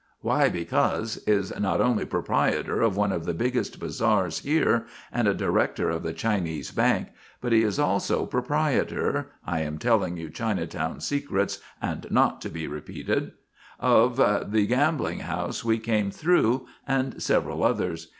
"'Why Because' is not only proprietor of one of the biggest bazaars here and a director of the Chinese Bank, but he is also proprietor I am telling you Chinatown secrets and not to be repeated of of the gambling house we came through and several others.